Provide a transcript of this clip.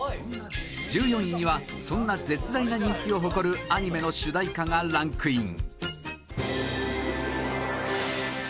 １４位にはそんな絶大な人気を誇るアニメの主題歌がランクイン